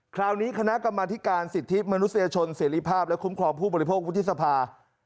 คณะกรรมธิการสิทธิมนุษยชนเสรีภาพและคุ้มครองผู้บริโภควุฒิสภา